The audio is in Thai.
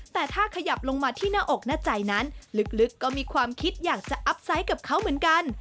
แต่ถ้าขยับลงมาที่หน้าอกหน้าใจนั้นลึกก็มีความคิดอยากจะอัพไซต์กับเขาเหมือนกัน